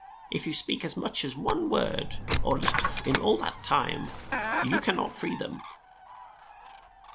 If you speak as much as one word or laugh in all that time, you can not free them."